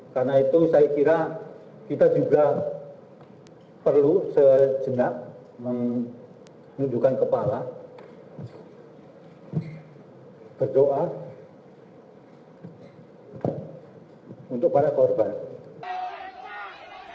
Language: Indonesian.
karena itu saya kira kita juga perlu sejenak menunjukkan kepala berdoa untuk para korban